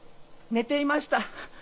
寝ていました。